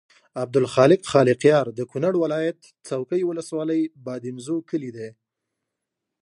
عبدالخالق خالقیار د کونړ ولایت څوکۍ ولسوالۍ بادینزو کلي دی.